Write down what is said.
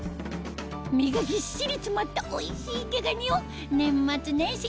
身がぎっしり詰まったおいしい毛ガニを年末年始